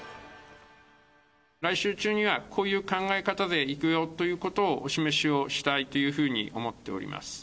来週中にはこういう考え方でいくよということを、お示しをしたいというふうに思っております。